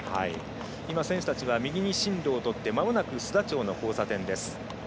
今、選手たちは右に進路をとってまもなく須田町の交差点です。